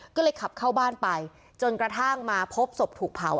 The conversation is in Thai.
ก็เลยขับเข้าบ้านไปจนกระทั่งมาพบศพถูกเผา